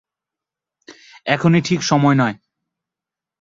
এখন ঠিক সময় নয়।